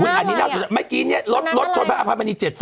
อุ้ยอันนี้น่าสนไม่กินเนี่ยรถชนภัยอภัยมันนี้๗๒๔ใช่ไหม